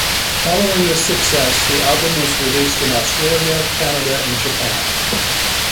Following this success the album was released in Australia, Canada and Japan.